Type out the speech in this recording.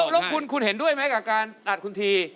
แล้วคุณเห็นด้วยไหมกับการตัดคุณที